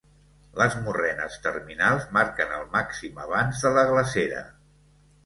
Les morrenes terminals marquen el màxim avanç de la glacera.